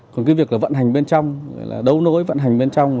còn việc vận hành bên trong đấu nối vận hành bên trong